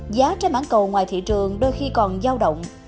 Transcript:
giá trái mảng cầu ngoài thị trường đôi khi còn giao động